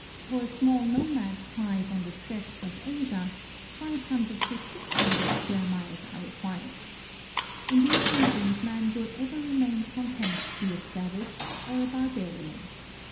For a small nomad tribe on the steppes of Asia, 500 to 600 square miles are required. In these regions man will ever remain content to be a savage or a barbarian.